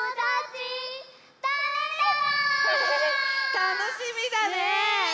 たのしみだね。